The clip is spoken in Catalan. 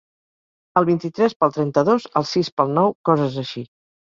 El vint-i-tres pel trenta-dos, el sis pel nou, coses així.